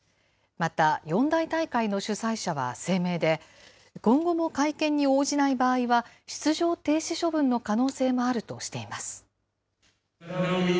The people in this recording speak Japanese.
また、四大大会の主催者は声明で、今後も会見に応じない場合は、出場停止処分の可能性もあるとしています。